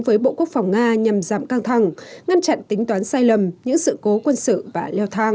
với bộ quốc phòng nga nhằm giảm căng thẳng ngăn chặn tính toán sai lầm những sự cố quân sự và leo thang